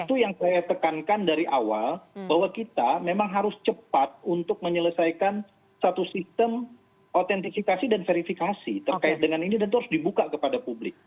itu yang saya tekankan dari awal bahwa kita memang harus cepat untuk menyelesaikan satu sistem autentifikasi dan verifikasi terkait dengan ini dan itu harus dibuka kepada publik